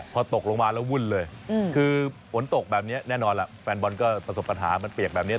พอตกลงมาแล้ววุ่นเลยคือฝนตกแบบนี้แน่นอนล่ะแฟนบอลก็ประสบปัญหามันเปียกแบบนี้